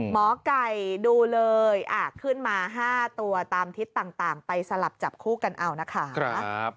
หมอไก่ดูเลยขึ้นมา๕ตัวตามทิศต่างไปสลับจับคู่กันเอานะคะ